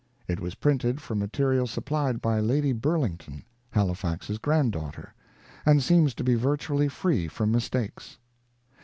It was printed from material supplied by Lady Burlington, Halifax's grand daughter, and seems to be virtually free from mistakes.